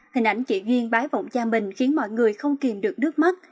hình ảnh chỉ duyên bái vọng cha mình khiến mọi người không kìm được nước mắt